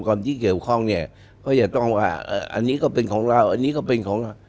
ก่อนที่เกี่ยวข้องเนี่ยก็จะต้องว่าอันนี้ก็เป็นของเราอันนี้ก็เป็นของเรา